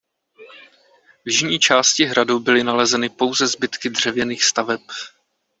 V jižní části hradu byly nalezeny pouze zbytky dřevěných staveb.